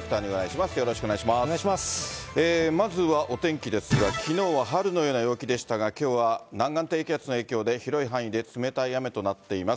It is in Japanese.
まずはお天気ですが、きのうは春のような陽気でしたが、きょうは南岸低気圧の影響で、広い範囲で冷たい雨となっています。